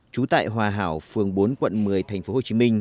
trú tại hòa hảo phường bốn quận một mươi tp hcm